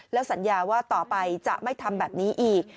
แล้วสัญญาว่าต่อไปจะไม่ทำแบบนี้อีก